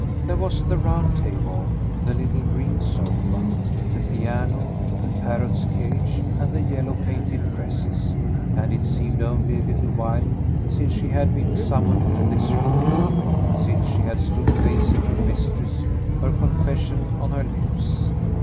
There was the round table, the little green sofa, the piano, the parrot's cage, and the yellow painted presses; and it seemed only a little while since she had been summoned to this room, since she had stood facing her mistress, her confession on her lips.